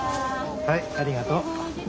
はいありがとう。